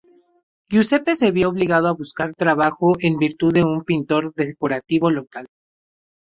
Giuseppe se vio obligado a buscar trabajo en virtud de un pintor decorativo local.